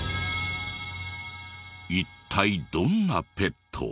一体どんなペット？